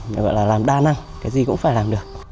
mình gọi là làm đa năng cái gì cũng phải làm được